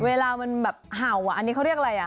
เวลามันแบบเห่าอ่ะอันนี้เขาเรียกอะไรอ่ะ